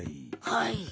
はい。